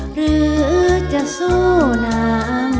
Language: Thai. หรือจะสู้น้ำ